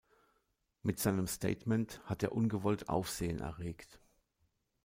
Mit seinem Statement hat er ungewollt Aufsehen erregt.